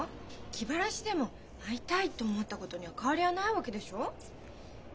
気晴らしでも会いたいと思ったことには変わりはないわけでしょ？